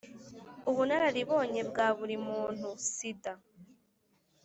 Ubunararibonye bwa buri muntu...sida